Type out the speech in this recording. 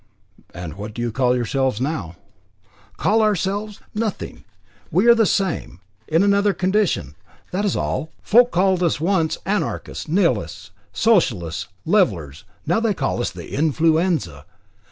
"And what do you call yourselves now?" "Call ourselves? Nothing; we are the same, in another condition, that is all. Folk called us once Anarchists, Nihilists, Socialists, Levellers, now they call us the Influenza.